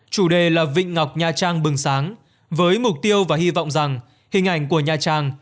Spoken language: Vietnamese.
chủ đề là vịnh ngọc nha trang bừng sáng với mục tiêu và hy vọng rằng hình ảnh của nha trang